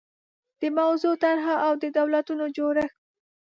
د موضوع طرحه او د دولتونو جوړښت